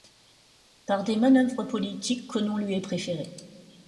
Par des manœuvres politiques, Conon lui est préféré.